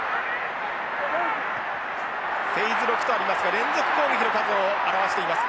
フェーズ６とありますが連続攻撃の数を表しています。